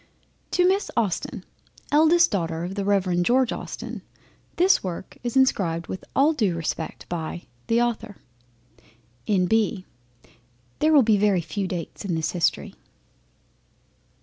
To Miss Austen, eldest daughter of the Rev. George Austen, this work is inscribed with all due respect by THE AUTHOR. N.B. There will be very few Dates in this History.